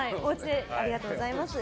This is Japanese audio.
ありがとうございます。